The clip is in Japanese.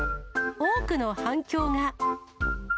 多くの反響が。